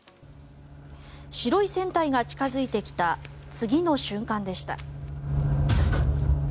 白い船体が近付いてきた次の瞬間でした。